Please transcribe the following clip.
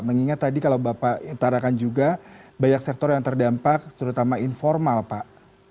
mengingat tadi kalau bapak tarakan juga banyak sektor yang terdampak terutama informal pak